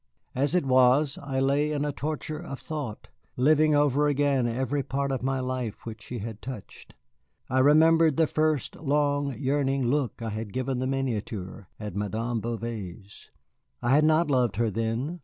As it was, I lay in a torture of thought, living over again every part of my life which she had touched. I remembered the first long, yearning look I had given the miniature at Madame Bouvet's. I had not loved her then.